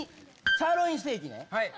サーロインステーキで。